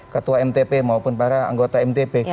ketua mtp maupun para anggota mtp